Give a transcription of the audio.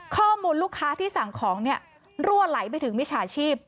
ข้อมูลลูกค้าที่สั่งของรั่วไหลไปถึงมิจฉาชีพ